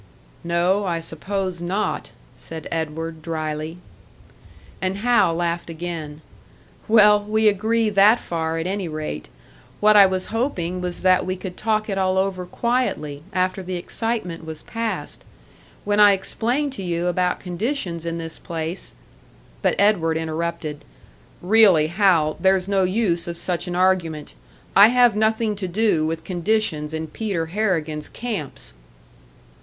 "No, I suppose not," said Edward, drily. And Hal laughed again. "Well, we agree that far, at any rate. What I was hoping was that we could talk it all over quietly, after the excitement was past. When I explain to you about conditions in this place " But Edward interrupted. "Really, Hal, there's no use of such an argument. I have nothing to do with conditions in Peter Harrigan's camps."